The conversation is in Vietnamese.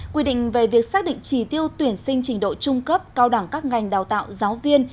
quy định về việc xác định trí tiêu tuyển sinh trình độ trung cấp cao đẳng các ngành đào tạo giáo viên